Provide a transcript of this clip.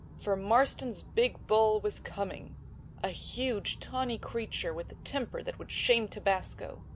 For Marston's big bull was coming—a huge, tawny creature with a temper that would shame tobasco.